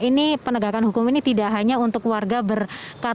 ini penegakan hukum ini tidak hanya untuk warga berkata